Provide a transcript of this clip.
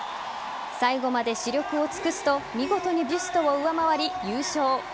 最後まで死力を尽くすと見事にビュストを上回り優勝。